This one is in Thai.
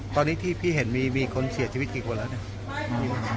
ตอนนี้ที่พี่เห็นมีคนเสียชีวิตอีกกว่าแล้ว